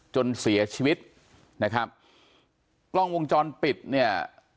จนเสียชีวิตนะครับกล้องวงจรปิดเนี่ย